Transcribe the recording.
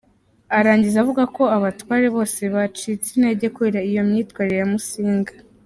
Arangiza avuga ko abatware bose bacitse intege kubera iyo myitwarire ya Musinga.